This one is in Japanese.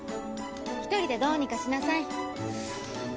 一人でどうにかしなさい。